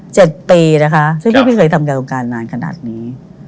เจ็ดปีนะคะใช่พี่เคยทำการโครงการนานขนาดนี้